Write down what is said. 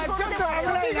危ないな。